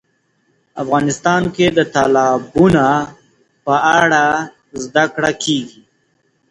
افغانستان کې د تالابونه په اړه زده کړه کېږي.